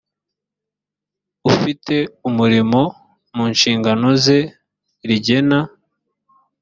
ufite umurimo mu nshingano ze rigena